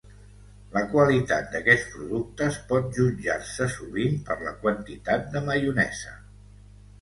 La qualitat d'aquests productes pot jutjar-se sovint per la quantitat de maionesa.